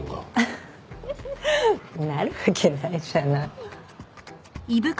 ハハなるわけないじゃない。